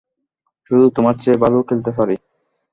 শুধু তোমার চেয়ে ভালো খেলতে পারি।